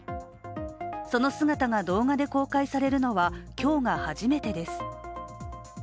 その姿が動画で公開されるのは今日が初めてです。